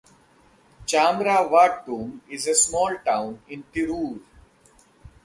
Chamravattom is a small town in Tirur.